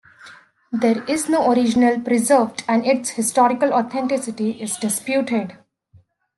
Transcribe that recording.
There is no original preserved and its historical authenticity is disputed.